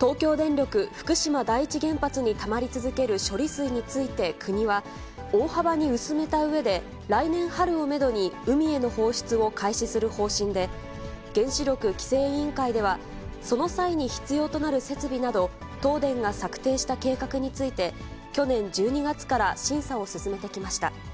東京電力福島第一原発にたまり続ける処理水について、国は、大幅に薄めたうえで、来年春をメドに、海への放出を開始する方針で、原子力規制委員会では、その際に必要となる設備など、東電が策定した計画について、去年１２月から審査を進めてきました。